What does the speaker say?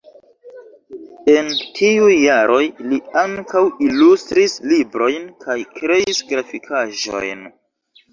En tiuj jaroj li ankaŭ ilustris librojn kaj kreis grafikaĵojn.